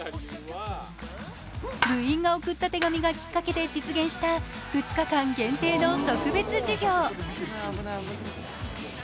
部員が送った手紙がきっかけで実現した２日間限定の特別授業。